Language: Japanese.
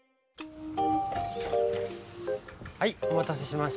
はいおまたせしました。